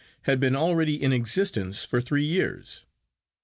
had been already in existence for three years.